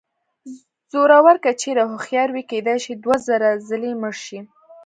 زړور که چېرې هوښیار وي کېدای شي دوه زره ځلې مړ شي.